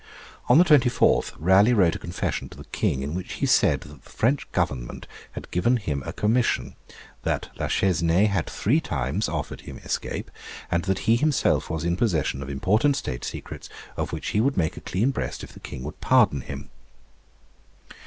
On the 24th Raleigh wrote a confession to the King, in which he said that the French Government had given him a commission, that La Chesnée had three times offered him escape, and that he himself was in possession of important State secrets, of which he would make a clean breast if the King would pardon him.